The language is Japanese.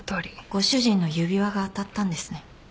ご主人の指輪が当たったんですね。